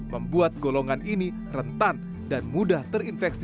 membuat golongan ini rentan dan mudah terinfeksi